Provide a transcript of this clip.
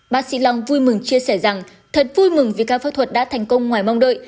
bác sĩ long vui mừng chia sẻ rằng thật vui mừng vì ca phẫu thuật đã thành công ngoài mong đợi